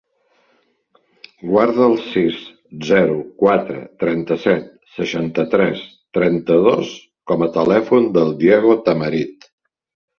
Guarda el sis, zero, quatre, trenta-set, seixanta-tres, trenta-dos com a telèfon del Diego Tamarit.